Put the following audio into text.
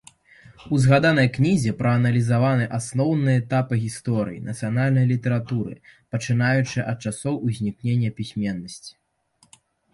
У згаданай кнізе прааналізаваны асноўныя этапы гісторыі нацыянальнай літаратуры, пачынаючы ад часоў узнікнення пісьменнасці.